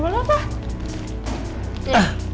gak ada apa apa